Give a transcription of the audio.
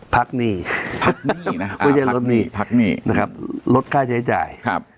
พักหนี้หรือมีรถกล้าใช้จ่าย